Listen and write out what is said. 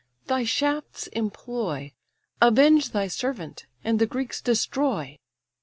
thy shafts employ, Avenge thy servant, and the Greeks destroy."